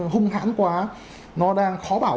hung hãn quá nó đang khó bảo